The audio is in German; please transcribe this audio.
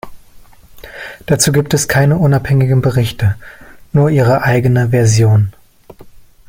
Dazu gibt es keine unabhängigen Berichte, nur ihre eigene Version.